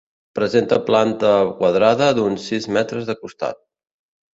Presenta planta quadrada d'uns sis metres de costat.